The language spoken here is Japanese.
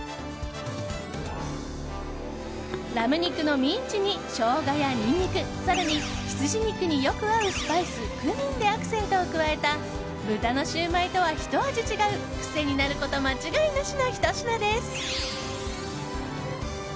ラム肉のミンチにショウガやニンニク更に羊肉によく合うスパイスクミンでアクセントを加えた豚のシウマイとはひと味違うクセになること間違いなしのひと品です。